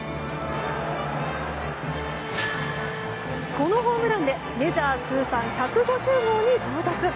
このホームランでメジャー通算１５０号に到達。